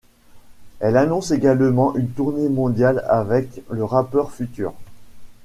Elle annonce également une tournée mondiale avec le rappeur Future.